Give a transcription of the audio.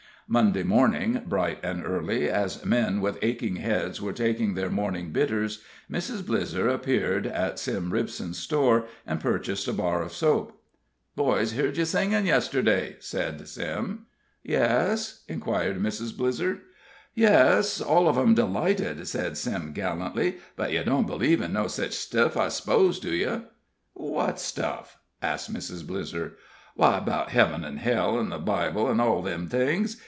Monday morning, bright and early, as men with aching heads were taking their morning bitters, Mrs. Blizzer appeared at Sim Ripson's store, and purchased a bar of soap. "Boys heard ye singin' yesterday," said Sim. "Yes?" inquired Mrs. Blizzer. "Yes all of 'em delighted," said Sim, gallantly. "But ye don't believe in no sich stuff, I s'pose, do ye?" "What stuff?" asked Mrs. Blizzer. "Why, 'bout heaven an' hell, an' the Bible, an' all them things.